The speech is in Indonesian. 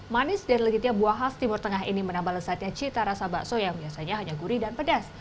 manis dan legitnya buah khas timur tengah ini menambah lezatnya cita rasa bakso yang biasanya hanya gurih dan pedas